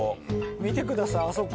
見てくださいあそこ。